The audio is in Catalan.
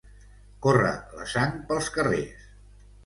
Córrer la sang pels carrers.